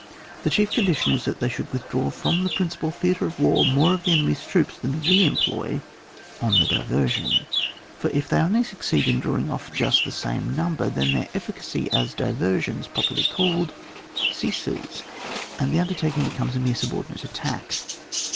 The chief condition is that they should withdraw from the principal theatre of the war more of the enemy's troops than we employ on the diversion ; for if they only succeed in drawing off just the same number, then their efficacy as diversions, properly called, ceases, and the undertaking becomes a mere subordinate attack.